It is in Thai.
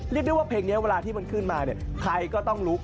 เรียกได้ว่าเพลงนี้เวลาที่มันขึ้นมาเนี่ยใครก็ต้องลุก